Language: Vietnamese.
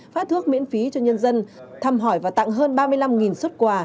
phát thuốc miễn phí cho nhân dân thăm hỏi và tặng hơn ba mươi năm xuất quà